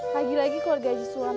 lagi lagi kalau di gaji sulam